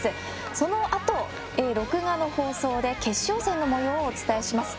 そのあと録画の放送で決勝戦のもようをお届けします。